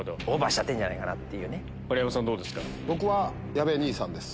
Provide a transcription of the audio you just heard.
矢部兄さんです。